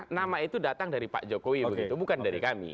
nama itu datang dari pak jokowi begitu bukan dari kami